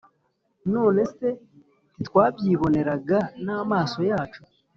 None se ntitwabyiboneraga n’amaso yacu